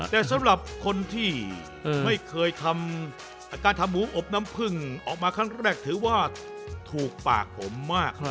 แต่สำหรับคนที่ไม่เคยทำการทำหมูอบน้ำพึ่งออกมาครั้งแรกถือว่าถูกปากผมมาก